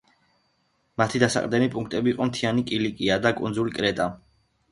მათი დასაყრდენი პუნქტები იყო მთიანი კილიკია და კუნძული კრეტა.